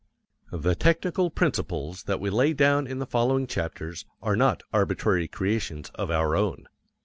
The technical principles that we lay down in the following chapters are not arbitrary creations of our own.